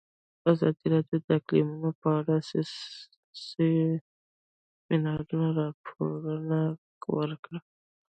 ازادي راډیو د اقلیتونه په اړه د سیمینارونو راپورونه ورکړي.